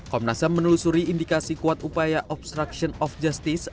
komnas ham menelusuri indikasi kuat upaya obstruction of justice